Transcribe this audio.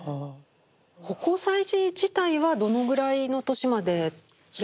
葆光彩磁自体はどのぐらいの年までやっていくんですか？